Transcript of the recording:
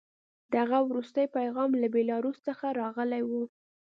د هغه وروستی پیغام له بیلاروس څخه راغلی و